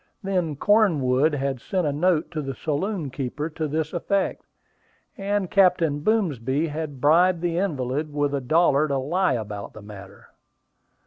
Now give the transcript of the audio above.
Then Cornwood had sent a note to the saloon keeper to this effect, and Captain Boomsby had bribed the invalid with a dollar to lie about the matter.